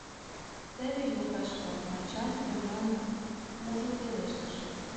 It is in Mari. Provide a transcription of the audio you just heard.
— Теве йолташ-влак! — начальник мемнам ужын пелештыш.